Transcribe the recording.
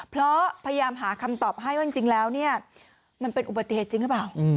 เพราะพยายามหาคำตอบให้ว่าจริงแล้วเนี่ยมันเป็นอุบัติเหตุจริงหรือเปล่า